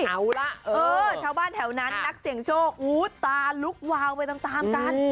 เอาล่ะเออชาวบ้านแถวนั้นนักเสี่ยงโชคตาลุกวาวไปตามกัน